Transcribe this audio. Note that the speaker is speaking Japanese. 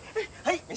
はい。